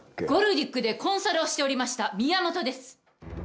ゴルディックでコンサルをしておりました宮本です